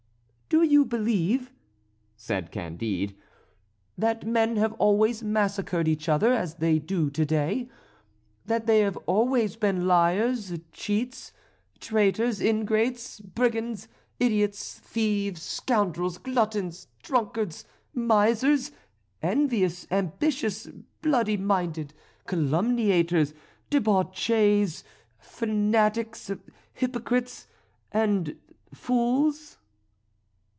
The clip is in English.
"Do you believe," said Candide, "that men have always massacred each other as they do to day, that they have always been liars, cheats, traitors, ingrates, brigands, idiots, thieves, scoundrels, gluttons, drunkards, misers, envious, ambitious, bloody minded, calumniators, debauchees, fanatics, hypocrites, and fools?"